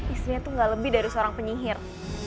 istrinya itu gak lebih dari seorang penyihir